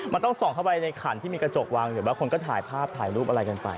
มันต้องส่องเข้าไปในขันที่มีกระจกวางอยู่บางคนก็ถ่ายภาพถ่ายรูปอะไรกันไป